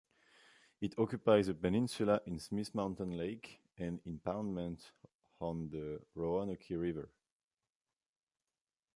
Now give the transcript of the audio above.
It occupies a peninsula in Smith Mountain Lake, an impoundment on the Roanoke River.